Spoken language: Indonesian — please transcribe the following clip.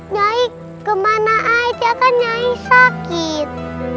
nyai kemana aja kan nyai sakit